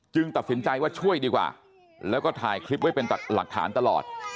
ตัดสินใจว่าช่วยดีกว่าแล้วก็ถ่ายคลิปไว้เป็นหลักฐานตลอด